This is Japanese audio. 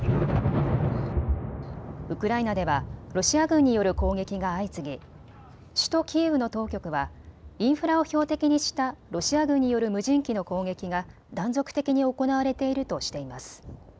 ウクライナではロシア軍による攻撃が相次ぎ首都キーウの当局はインフラを標的にしたロシア軍による無人機の攻撃が断続的に行われているとしています。